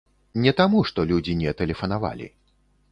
Не таму, што людзі не тэлефанавалі.